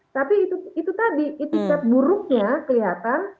tapi itu tadi itikat buruknya kelihatan